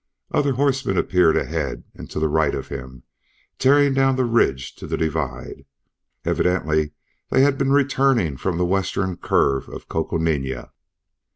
Other horsemen appeared ahead and to the right of him, tearing down the ridge to the divide. Evidently they had been returning from the western curve of Coconina.